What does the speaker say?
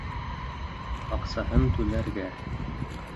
Аҡсаһын түләргә.